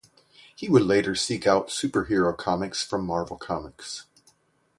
He would later seek out superhero comics from Marvel Comics.